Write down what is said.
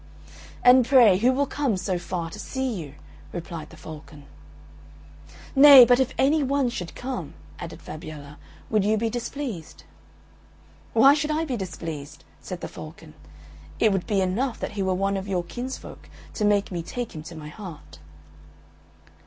"And, pray, who will come so far to see you?" replied the Falcon. "Nay, but if any one should come," added Fabiella, "would you be displeased?" "Why should I be displeased?" said the Falcon, "it would be enough that he were one of your kinsfolk to make me take him to my heart."